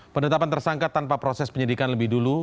pendetapan tersangkat tanpa proses penyidikan lebih dulu